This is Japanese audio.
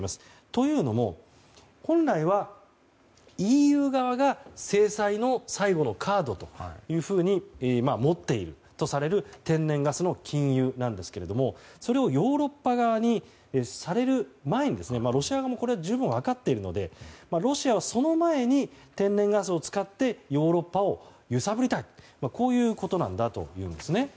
というのも本来はＥＵ側が制裁の最後のカードと持っているとされる天然ガスの禁輸なんですけれどもそれをヨーロッパ側にされる前にロシア側も十分分かっているのでロシアは、その前に天然ガスを使ってヨーロッパを揺さぶりたいこういうことなんだと。